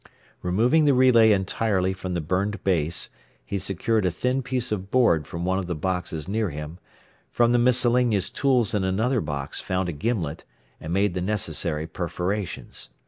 Removing the relay entirely from the burned base, he secured a thin piece of board from one of the boxes near him, from the miscellaneous tools in another box found a gimlet, and made the necessary perforations.